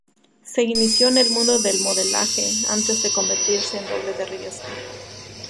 Se inició en el mundo del modelaje antes de convertirse en doble de riesgo.